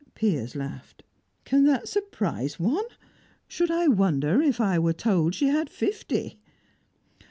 Piers laughed. "Can that surprise one? Should I wonder if I were told she had fifty?"